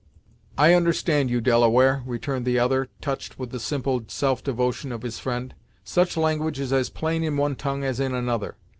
"I understand you, Delaware," returned the other, touched with the simple self devotion of his friend, "Such language is as plain in one tongue as in another.